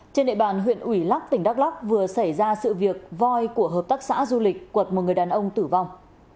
trên địa bàn huyện ủy lắc tỉnh đắk lóc vừa xảy ra sự việc voi của hợp tác xã du lịch quật một người đàn ông tử vong